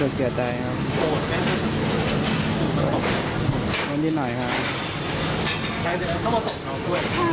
หนึ่งหน่อยค่ะใช่ค่ะเขามาตกเขาด้วยใช่ค่ะ